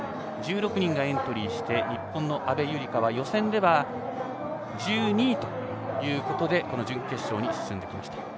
１６人がエントリーして日本の阿部友里香は予選では１２位ということで準決勝に進んできました。